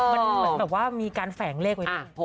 มันเหมือนแบบว่ามีการแฝงเลขไว้ด้วย